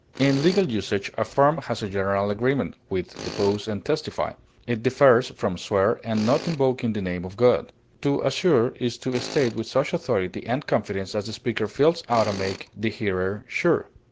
In legal usage, affirm has a general agreement with depose and testify; it differs from swear in not invoking the name of God. To assure is to state with such authority and confidence as the speaker feels ought to make the hearer sure.